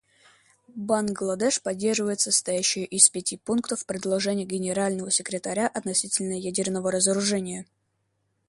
Бангладеш поддерживает состоящее из пяти пунктов предложение Генерального секретаря относительно ядерного разоружения.